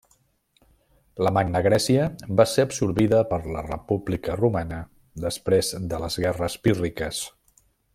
La Magna Grècia va ser absorbida per la República Romana després de les guerres pírriques.